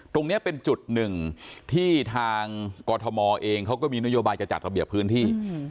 ตรงนี้เป็นจุดหนึ่งที่ทางกรทมเองเขาก็มีนโยบายจะจัดระเบียบพื้นที่